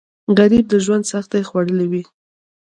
غریب د ژوند سختۍ خوړلي وي